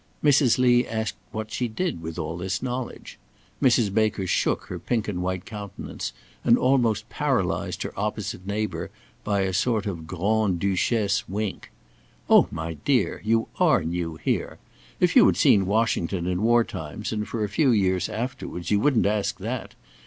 Mrs. Lee asked what she did with all this knowledge. Mrs. Baker shook her pink and white countenance, and almost paralysed her opposite neighbour by a sort of Grande Duchesse wink: "Oh, my dear! you are new here. If you had seen Washington in war times and for a few years afterwards, you wouldn't ask that.